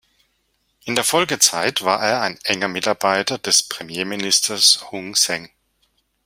In der Folgezeit war er ein enger Mitarbeiter des Premierministers Hun Sen.